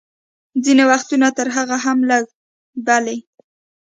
ځینې وختونه تر هغه هم لږ، بلې.